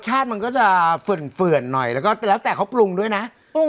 รสชาติมันก็จะเฝือนหน่อยแล้วแต่เขาปรุงด้วยนะ